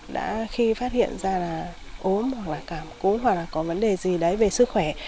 đã khi phát hiện ra là ốm hoặc là cảm cúm hoặc là có vấn đề gì đấy về sức khỏe